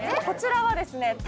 こちらはですね